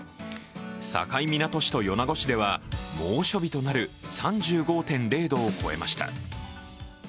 境港市と米子市では猛暑日となる３５．０度を超えました。